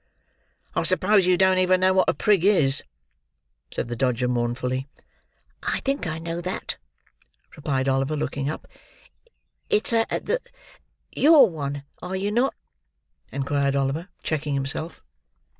"I suppose you don't even know what a prig is?" said the Dodger mournfully. "I think I know that," replied Oliver, looking up. "It's a the—; you're one, are you not?" inquired Oliver, checking himself.